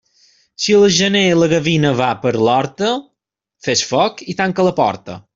Si al gener la gavina va per l'horta, fes foc i tanca la porta.